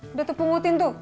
udah tepung ngutin tuh